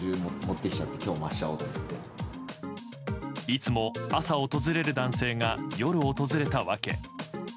いつも朝訪れる男性が夜訪れた訳。